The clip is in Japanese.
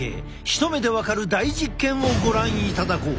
一目で分かる大実験をご覧いただこう。